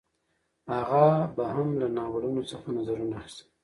هغه به هم له ناولونو څخه نظرونه اخیستل